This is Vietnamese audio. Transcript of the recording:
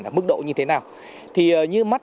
là mức độ như thế nào thì như mắt